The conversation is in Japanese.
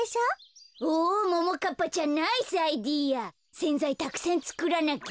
せんざいたくさんつくらなきゃ。